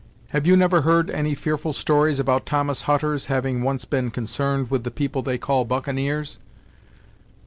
Have you never heard any fearful stories about Thomas Hutter's having once been concerned with the people they call buccaneers?"